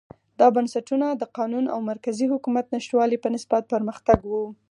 دا بنسټونه د قانون او مرکزي حکومت نشتوالي په نسبت پرمختګ و.